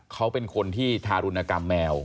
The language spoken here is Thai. เขาเป็นคนที่ทารุณกรรมแมว